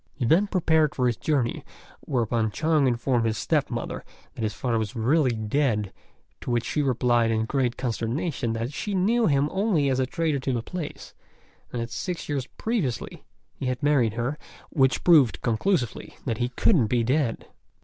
He then prepared for his journey, whereupon Chung informed his step mother that his father was really dead, to which she replied in great consternation that she knew him only as a trader to the place, and that six years previously he had married her, which proved conclusively that he couldn't be dead.